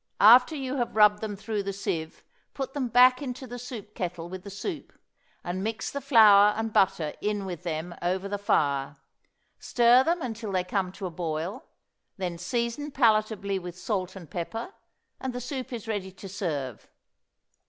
After you have rubbed them through the sieve put them back into the soup kettle with the soup, and mix the flour and butter in with them over the fire; stir them until they come to a boil, then season palatably with salt and pepper, and the soup is ready to serve.